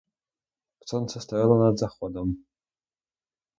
Сонце стояло над заходом.